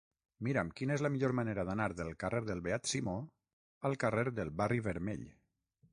Mira'm quina és la millor manera d'anar del carrer del Beat Simó al carrer del Barri Vermell.